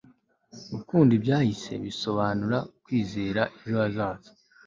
gukunda ibyahise bisobanura kwizera ejo hazaza